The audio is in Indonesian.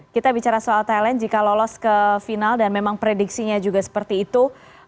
kita bicara soal thailand jika lolos ke final dan memang prediksinya juga seperti itu